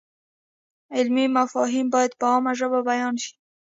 علمي مفاهیم باید په عامه ژبه بیان شي.